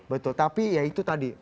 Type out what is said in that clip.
betul tapi ya itu tadi